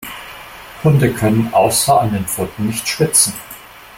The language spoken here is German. Hunde können außer an den Pfoten nicht schwitzen.